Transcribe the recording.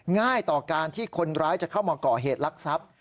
ง่ายต่อการที่คนร้ายจะเข้ามาก่อเหตุลักษัพ